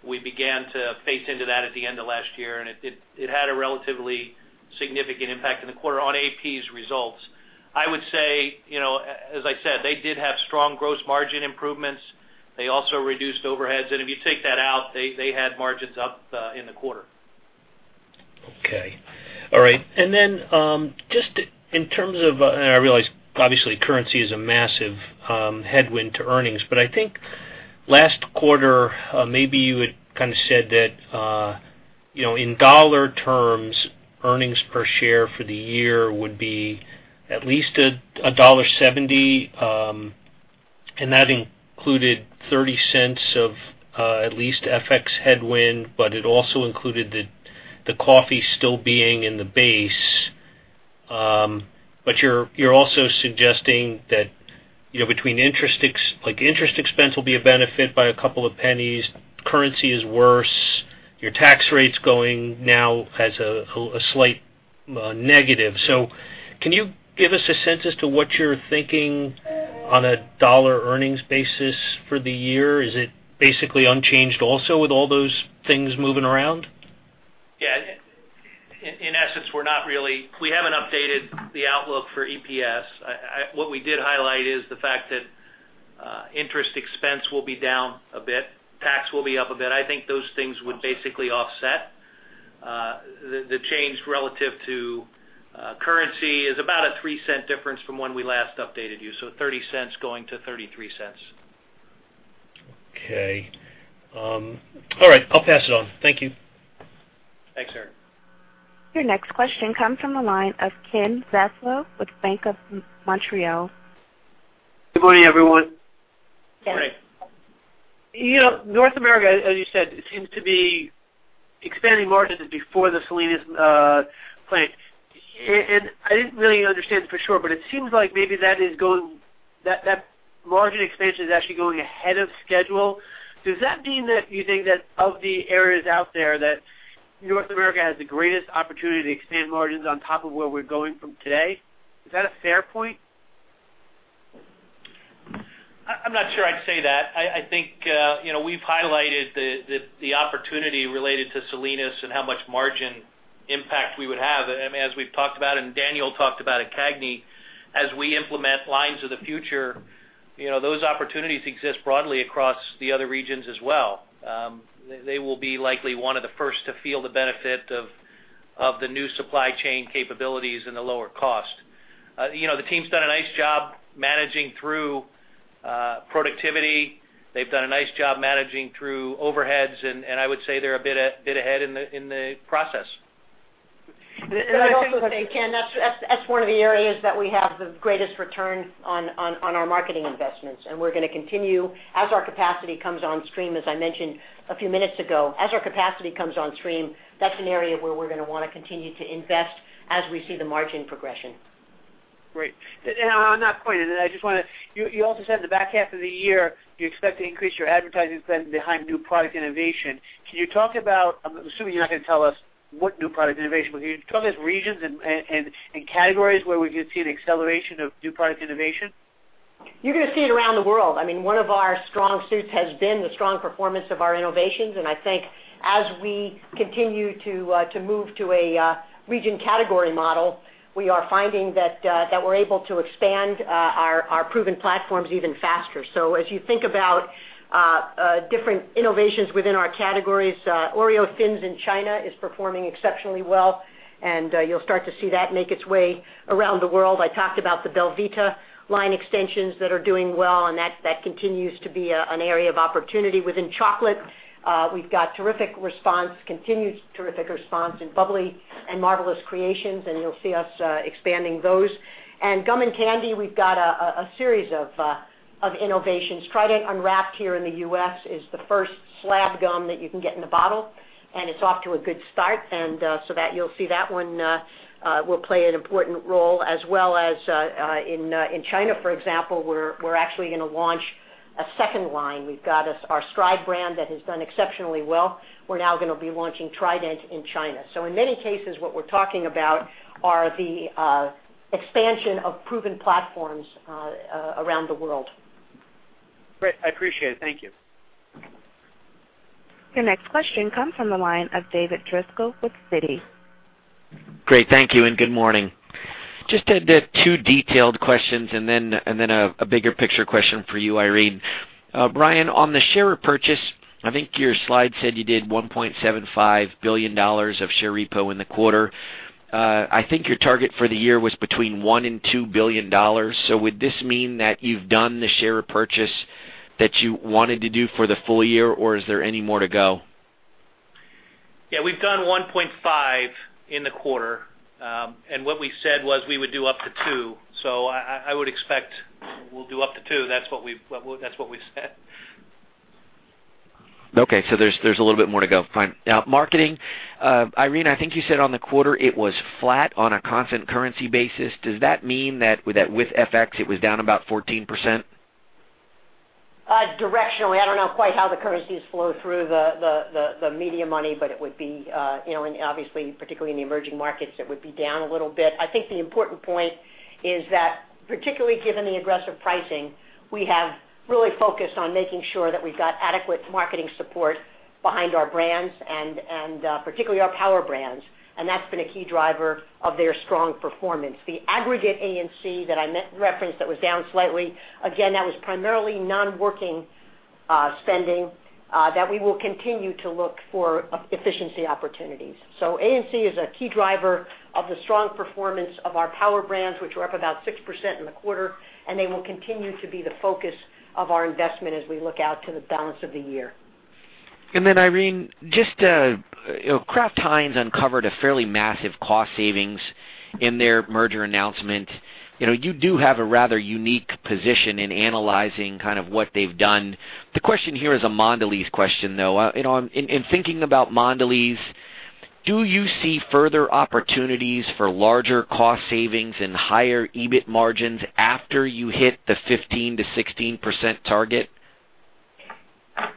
We began to phase into that at the end of last year, it had a relatively significant impact in the quarter on AP's results. I would say, as I said, they did have strong gross margin improvements. They also reduced overheads. If you take that out, they had margins up in the quarter. Okay. All right. I realize obviously currency is a massive headwind to earnings, but I think last quarter, maybe you had kind of said that, in dollar terms, earnings per share for the year would be at least $1.70, and that included $0.30 of at least FX headwind, but it also included the coffee still being in the base. You're also suggesting that interest expense will be a benefit by $0.02. Currency is worse. Your tax rate's going now as a slight negative. Can you give us a sense as to what you're thinking on a dollar earnings basis for the year? Is it basically unchanged also with all those things moving around? Yeah. In essence, we haven't updated the outlook for EPS. What we did highlight is the fact that interest expense will be down a bit, tax will be up a bit. I think those things would basically offset. The change relative to currency is about a $0.03 difference from when we last updated you. So $0.30 going to $0.33. Okay. All right. I'll pass it on. Thank you. Thanks, Eric. Your next question comes from the line of Kenneth Zaslow with Bank of Montreal. Good morning, everyone. Good morning. Yes. North America, as you said, seems to be expanding margins before the Salinas plant. I didn't really understand for sure, but it seems like maybe that margin expansion is actually going ahead of schedule. Does that mean that you think that of the areas out there, that North America has the greatest opportunity to expand margins on top of where we're going from today? Is that a fair point? I'm not sure I'd say that. I think we've highlighted the opportunity related to Salinas and how much margin impact we would have. As we've talked about, and Daniel talked about at CAGNY, as we implement lines of the future, those opportunities exist broadly across the other regions as well. They will be likely one of the first to feel the benefit of the new supply chain capabilities and the lower cost. The team's done a nice job managing through productivity. They've done a nice job managing through overheads, and I would say they're a bit ahead in the process. I'd also say, Ken, that's one of the areas that we have the greatest return on our marketing investments. We're going to continue as our capacity comes on stream, as I mentioned a few minutes ago, as our capacity comes on stream, that's an area where we're going to want to continue to invest as we see the margin progression. Great. On that point, you also said in the back half of the year, you expect to increase your advertising spend behind new product innovation. Can you talk about, I'm assuming you're not going to tell us what new product innovation, but can you talk about regions and categories where we could see an acceleration of new product innovation? You're going to see it around the world. One of our strong suits has been the strong performance of our innovations, and I think as we continue to move to a region category model, we are finding that we're able to expand our proven platforms even faster. As you think about different innovations within our categories, Oreo Thins in China is performing exceptionally well, and you'll start to see that make its way around the world. I talked about the belVita line extensions that are doing well, and that continues to be an area of opportunity within chocolate. We've got terrific response, continued terrific response in Bubbly and Marvellous Creations, and you'll see us expanding those. Gum and candy, we've got a series of innovations. Trident Unwrapped here in the U.S. is the first slab gum that you can get in a bottle, and it's off to a good start. You'll see that one will play an important role as well as in China, for example, we're actually going to launch a second line. We've got our Stride brand that has done exceptionally well. We're now going to be launching Trident in China. In many cases, what we're talking about are the expansion of proven platforms around the world. Great. I appreciate it. Thank you. Your next question comes from the line of David Driscoll with Citi. Great. Thank you. Good morning. Just two detailed questions and then a bigger picture question for you, Irene. Brian, on the share repurchase, I think your slide said you did $1.75 billion of share repo in the quarter. I think your target for the year was between $1 billion and $2 billion. Would this mean that you've done the share repurchase that you wanted to do for the full year, or is there any more to go? Yeah, we've done $1.5 billion in the quarter. What we said was we would do up to $2 billion. I would expect we'll do up to $2 billion. That's what we've said. Okay, there's a little bit more to go. Fine. Now, marketing. Irene, I think you said on the quarter it was flat on a constant currency basis. Does that mean that with FX it was down about 14%? Directionally. I don't know quite how the currencies flow through the media money, but it would be, obviously, particularly in the emerging markets, it would be down a little bit. I think the important point is that particularly given the aggressive pricing, we have really focused on making sure that we've got adequate marketing support behind our brands and particularly our power brands, and that's been a key driver of their strong performance. The aggregate A&C that I referenced that was down slightly, again, that was primarily non-working spending that we will continue to look for efficiency opportunities. A&C is a key driver of the strong performance of our power brands, which were up about 6% in the quarter, and they will continue to be the focus of our investment as we look out to the balance of the year. Irene, just Kraft Heinz uncovered a fairly massive cost savings in their merger announcement. You do have a rather unique position in analyzing what they've done. The question here is a Mondelez question, though. In thinking about Mondelez, do you see further opportunities for larger cost savings and higher EBIT margins after you hit the 15%-16% target?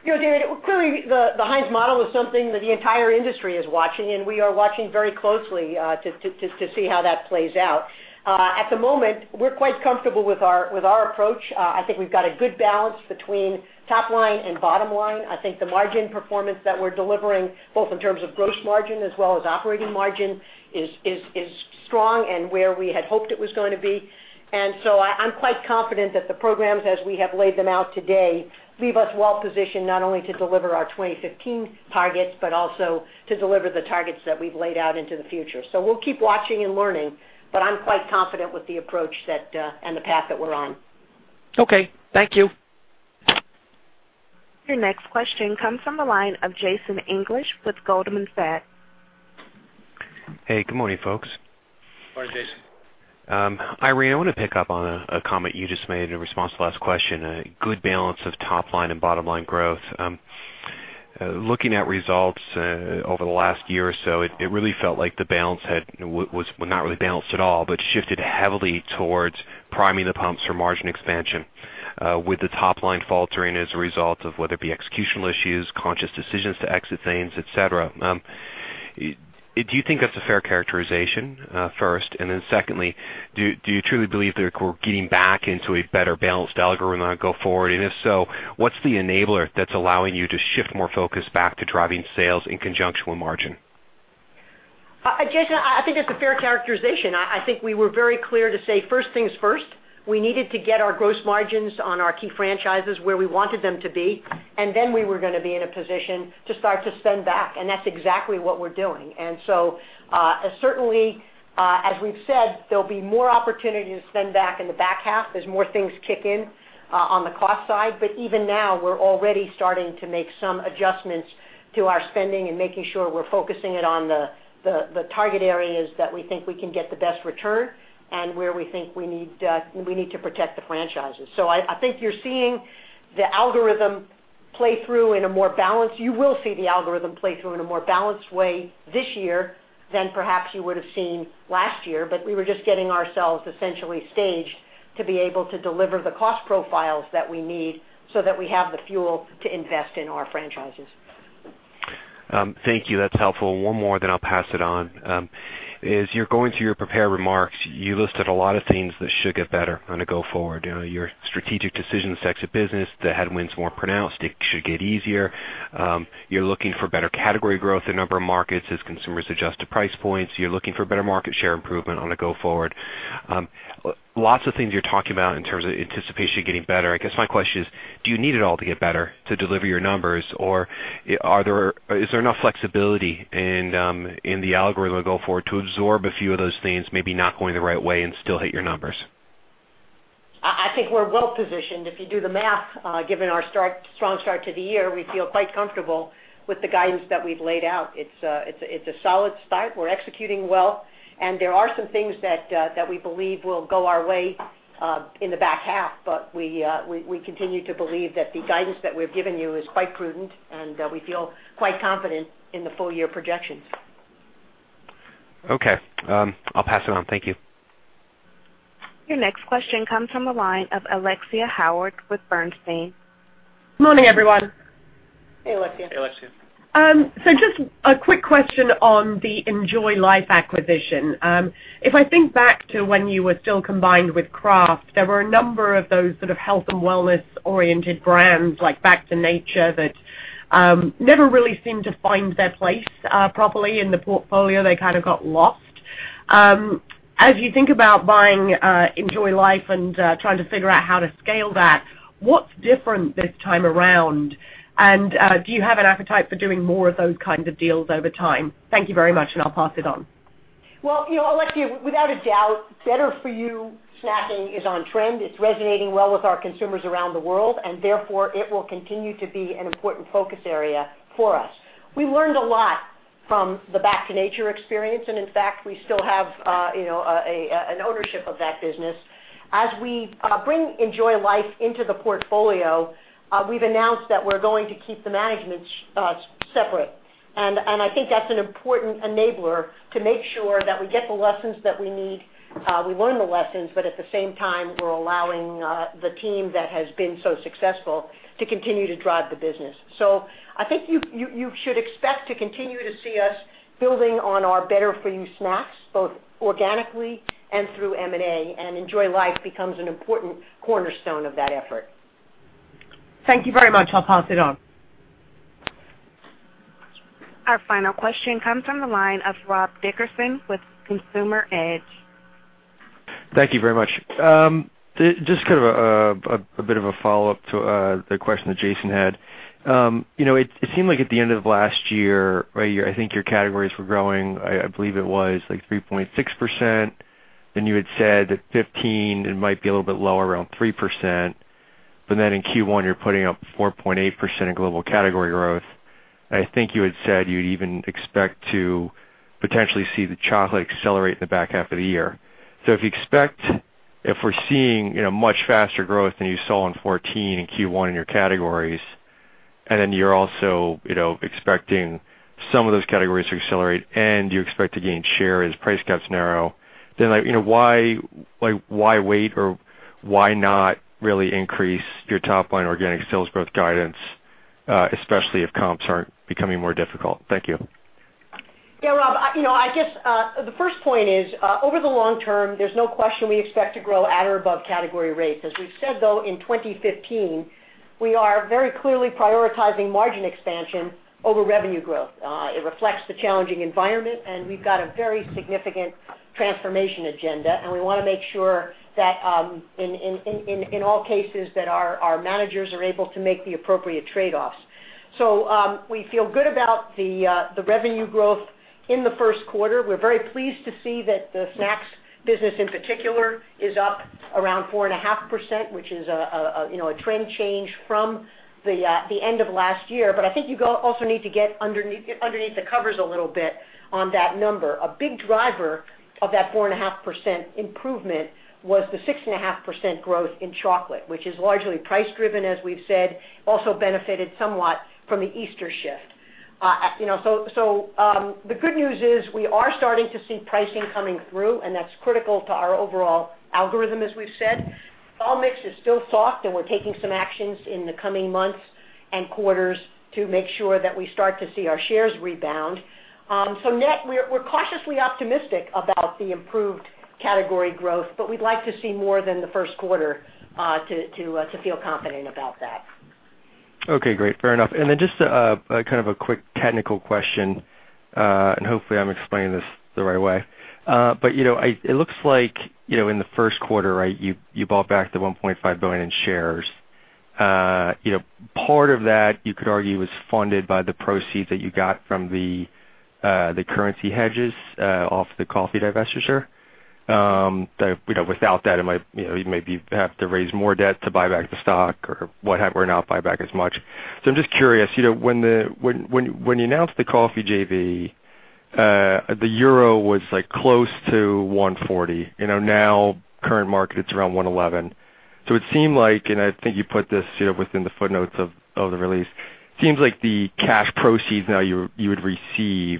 David, clearly the Heinz model is something that the entire industry is watching, and we are watching very closely to see how that plays out. At the moment, we're quite comfortable with our approach. I think we've got a good balance between top line and bottom line. I think the margin performance that we're delivering, both in terms of gross margin as well as operating margin, is strong and where we had hoped it was going to be. I'm quite confident that the programs, as we have laid them out today, leave us well positioned not only to deliver our 2015 targets, but also to deliver the targets that we've laid out into the future. We'll keep watching and learning, but I'm quite confident with the approach and the path that we're on. Okay. Thank you. Your next question comes from the line of Jason English with Goldman Sachs. Hey, good morning, folks. Morning, Jason. Irene, I want to pick up on a comment you just made in response to last question, a good balance of top line and bottom line growth. Looking at results over the last year or so, it really felt like the balance was not really balanced at all, but shifted heavily towards priming the pumps for margin expansion, with the top line faltering as a result of whether it be executional issues, conscious decisions to exit things, et cetera. Do you think that's a fair characterization, first? Secondly, do you truly believe that we're getting back into a better balanced algorithm go forward? If so, what's the enabler that's allowing you to shift more focus back to driving sales in conjunction with margin? Jason, I think that's a fair characterization. I think we were very clear to say, first things first. We needed to get our gross margins on our key franchises where we wanted them to be. We were going to be in a position to start to spend back, that's exactly what we're doing. Certainly, as we've said, there'll be more opportunity to spend back in the back half as more things kick in on the cost side. Even now, we're already starting to make some adjustments to our spending and making sure we're focusing it on the target areas that we think we can get the best return and where we think we need to protect the franchises. I think you're seeing the algorithm play through in a more balanced way this year than perhaps you would have seen last year. We were just getting ourselves essentially staged to be able to deliver the cost profiles that we need so that we have the fuel to invest in our franchises. Thank you. That's helpful. One more, then I'll pass it on. As you're going through your prepared remarks, you listed a lot of things that should get better on a go forward. Your strategic decisions to exit business, the headwinds more pronounced, it should get easier. You're looking for better category growth in a number of markets as consumers adjust to price points. You're looking for better market share improvement on a go forward. Lots of things you're talking about in terms of anticipation getting better. I guess my question is, do you need it all to get better to deliver your numbers, or is there enough flexibility in the algorithm to go forward to absorb a few of those things, maybe not going the right way and still hit your numbers? I think we're well-positioned. If you do the math, given our strong start to the year, we feel quite comfortable with the guidance that we've laid out. It's a solid start. We're executing well, and there are some things that we believe will go our way in the back half. We continue to believe that the guidance that we've given you is quite prudent, and we feel quite confident in the full-year projections. Okay. I'll pass it on. Thank you. Your next question comes from the line of Alexia Howard with Bernstein. Morning, everyone. Hey, Alexia. Hey, Alexia. Just a quick question on the Enjoy Life acquisition. If I think back to when you were still combined with Kraft, there were a number of those sort of health and wellness oriented brands, like Back to Nature, that never really seemed to find their place properly in the portfolio. They kind of got lost. As you think about buying Enjoy Life and trying to figure out how to scale that, what's different this time around? Do you have an appetite for doing more of those kinds of deals over time? Thank you very much, and I'll pass it on. Well, Alexia, without a doubt, better-for-you snacking is on trend. It's resonating well with our consumers around the world, and therefore, it will continue to be an important focus area for us. We learned a lot from the Back to Nature experience, and in fact, we still have an ownership of that business. As we bring Enjoy Life into the portfolio, we've announced that we're going to keep the management separate, and I think that's an important enabler to make sure that we get the lessons that we need. We learn the lessons, but at the same time, we're allowing the team that has been so successful to continue to drive the business. I think you should expect to continue to see us building on our better-for-you snacks, both organically and through M&A, and Enjoy Life becomes an important cornerstone of that effort. Thank you very much. I'll pass it on. Our final question comes from the line of Rob Dickerson with Consumer Edge. Thank you very much. Just kind of a bit of a follow-up to the question that Jason had. It seemed like at the end of last year, I think your categories were growing, I believe it was 3.6%. You had said that 2015, it might be a little bit lower, around 3%. In Q1, you're putting up 4.8% in global category growth. I think you had said you'd even expect to potentially see the chocolate accelerate in the back half of the year. If we're seeing much faster growth than you saw in 2014 in Q1 in your categories, you're also expecting some of those categories to accelerate and you expect to gain share as price gaps narrow, why wait, or why not really increase your top-line organic sales growth guidance, especially if comps aren't becoming more difficult? Thank you. Yeah, Rob, I guess the first point is, over the long term, there's no question we expect to grow at or above category rates. As we've said, though, in 2015, we are very clearly prioritizing margin expansion over revenue growth. It reflects the challenging environment, and we've got a very significant transformation agenda, and we want to make sure that in all cases, that our managers are able to make the appropriate trade-offs. We feel good about the revenue growth in the first quarter. We're very pleased to see that the snacks business, in particular, is up around 4.5%, which is a trend change from the end of last year. I think you also need to get underneath the covers a little bit on that number. A big driver of that 4.5% improvement was the 6.5% growth in chocolate, which is largely price driven, as we've said, also benefited somewhat from the Easter shift. The good news is we are starting to see pricing coming through, and that's critical to our overall algorithm, as we've said. Vol mix is still soft, and we're taking some actions in the coming months and quarters to make sure that we start to see our shares rebound. Net, we're cautiously optimistic about the improved category growth, but we'd like to see more than the first quarter to feel confident about that. Okay, great. Fair enough. Then just kind of a quick technical question, and hopefully, I'm explaining this the right way. It looks like in the first quarter, you bought back the $1.5 billion in shares. Part of that, you could argue, was funded by the proceeds that you got from the currency hedges off the coffee divestiture. Without that, you'd maybe have to raise more debt to buy back the stock or not buy back as much. I'm just curious, when you announced the coffee JV, the EUR was close to 140. Now, current market, it's around 111. It seemed like, and I think you put this within the footnotes of the release, seems like the cash proceeds now you would receive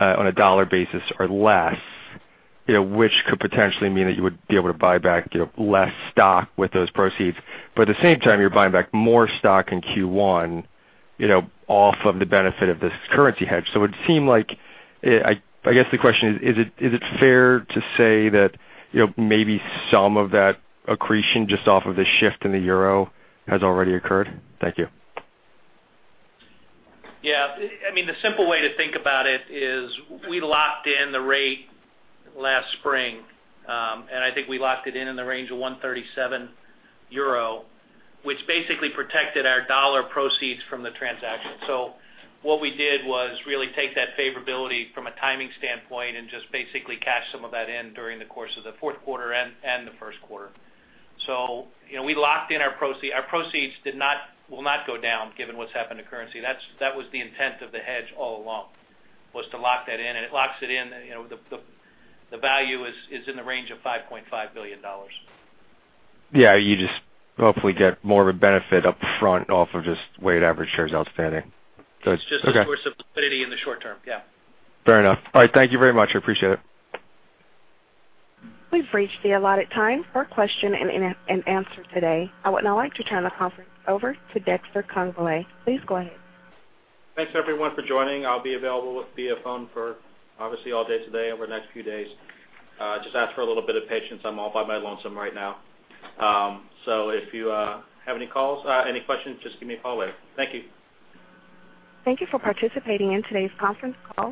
on a dollar basis are less, which could potentially mean that you would be able to buy back less stock with those proceeds. At the same time, you're buying back more stock in Q1 off of the benefit of this currency hedge. I guess the question is it fair to say that maybe some of that accretion just off of the shift in the EUR has already occurred? Thank you. Yeah. The simple way to think about it is we locked in the rate last spring, and I think we locked it in in the range of 137 euro, which basically protected our dollar proceeds from the transaction. What we did was really take that favorability from a timing standpoint and just basically cash some of that in during the course of the fourth quarter and the first quarter. We locked in our proceed. Our proceeds will not go down given what's happened to currency. That was the intent of the hedge all along, was to lock that in, and it locks it in. The value is in the range of $5.5 billion. Yeah, you just hopefully get more of a benefit up front off of just weighted average shares outstanding. Good. Okay. It's just a source of liquidity in the short term. Yeah. Fair enough. All right. Thank you very much. I appreciate it. We've reached the allotted time for question and answer today. I would now like to turn the conference over to Dexter Congbalay. Please go ahead. Thanks, everyone, for joining. I'll be available via phone for, obviously, all day today, over the next few days. Just ask for a little bit of patience. I'm all by my lonesome right now. If you have any questions, just give me a call later. Thank you. Thank you for participating in today's conference call.